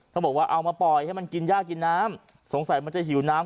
เขาบอกว่าเอามาปล่อยให้มันกินยากกินน้ำสงสัยมันจะหิวน้ำ